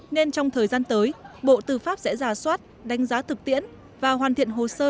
nên trong thời gian tới bộ tư pháp sẽ giả soát đánh giá thực tiễn và hoàn thiện hồ sơ